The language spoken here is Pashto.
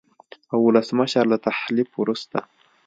او ولسمشر له تحلیف وروسته